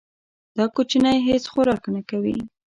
دا کوچنی هیڅ خوراک نه کوي.